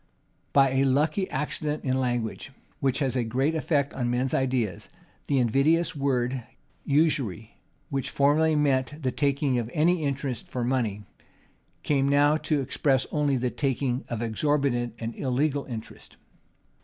By a lucky accident in language, which has a great effect on men's ideas, the invidious word usury which formerly meant the taking of any interest for money, came now to express only the taking of exorbitant and illegal interest.